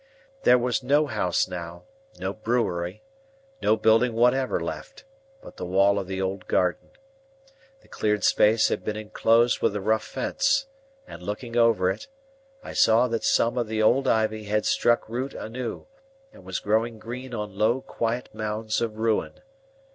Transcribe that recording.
There was no house now, no brewery, no building whatever left, but the wall of the old garden. The cleared space had been enclosed with a rough fence, and looking over it, I saw that some of the old ivy had struck root anew, and was growing green on low quiet mounds of ruin.